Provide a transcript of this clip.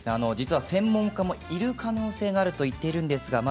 実は専門家もいる可能性があると言っています。